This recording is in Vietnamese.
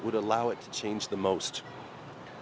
của các thành phố khác